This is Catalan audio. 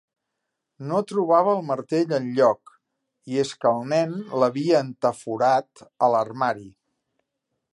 No trobava el martell enlloc, i és que el nen l'havia entaforat a l'armari.